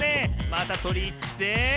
またとりにいって。